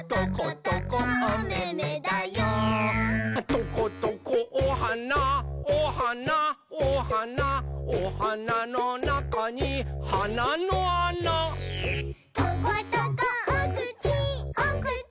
「トコトコおはなおはなおはなおはなのなかにはなのあな」「トコトコおくちおくち